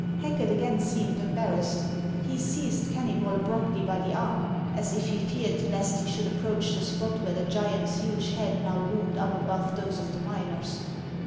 Hacket again seemed embarrassed. He seized Kenny bol abruptly by the arm, as if he feared lest he should approach the spot where the giant's huge head now loomed up above those of the miners.